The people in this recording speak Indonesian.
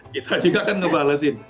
kita juga kan ngebalesin